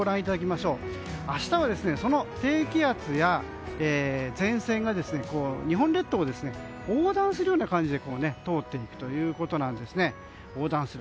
明日は、その低気圧や前線が日本列島を横断するような形で通っているということなんです。